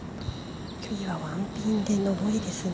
距離はワンピンで上りですね